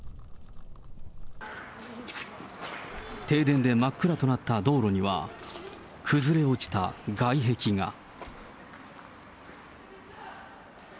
停電で真っ暗となった道路には、崩れ落ちた外壁が。